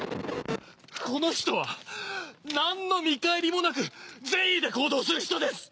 この人は何の見返りもなく善意で行動する人です！